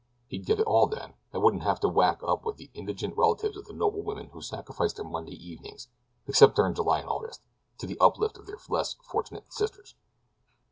He'd get it all then, and wouldn't have to whack up with the indigent relatives of the noble women who sacrifice their Monday evenings, except during July and August, to the uplift of their less fortunate sisters."